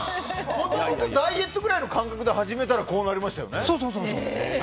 もともとダイエットぐらいの感覚で始めたらこうなりましたよね。